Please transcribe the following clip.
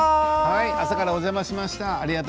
朝からお邪魔しました。